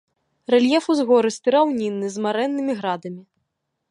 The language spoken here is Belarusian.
Рэльеф узгорысты раўнінны з марэннымі градамі.